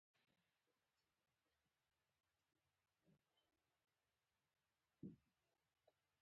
ایران د شطرنج اتلان لري.